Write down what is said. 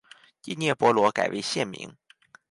第聂伯罗改为现名。